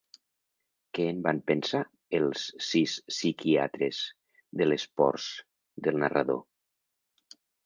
Què en van pensar els sis psiquiatres de les pors del narrador?